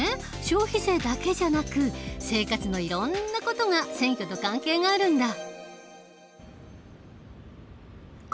消費税だけじゃなく生活のいろんな事が選挙と関係があるんだ。